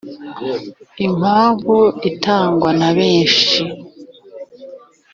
impamvu itangwa na benshi